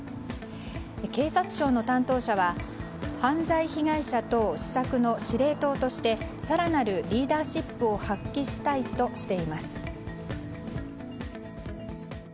警察庁の担当者は犯罪被害者等施策の司令塔として更なるリーダーシップを発揮したいとしています。